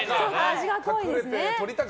味が濃いですね。